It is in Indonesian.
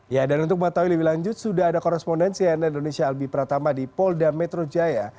ya dan untuk mengetahui lebih lanjut sudah ada korespondensi nn indonesia albi pratama di polda metro jaya